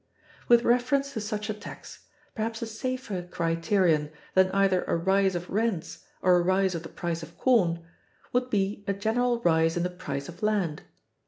With reference to such a tax, perhaps a safer criterion than either a rise of rents or a rise of the price of corn, would be a general rise in the price of land.